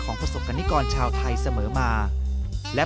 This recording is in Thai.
เมื่อเวลาเมื่อเวลา